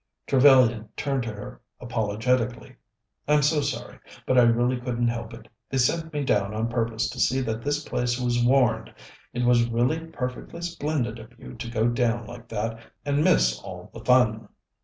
Trevellyan turned to her apologetically. "I'm so sorry. But I really couldn't help it. They sent me down on purpose to see that this place was warned. It was really perfectly splendid of you to go down like that and miss all the fun."